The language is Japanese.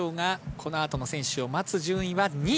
このあとの選手を待つ順位は２位。